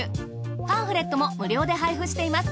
パンフレットも無料で配布しています。